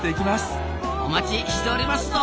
お待ちしておりますぞ！